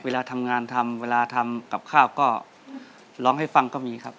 เวลาทำงานทำเวลาทำกับข้าวก็ร้องให้ฟังก็มีครับ